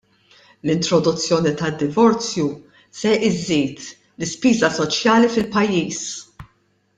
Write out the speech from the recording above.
L-introduzzjoni tad-divorzju se żżid l-ispiża soċjali fil-pajjiż.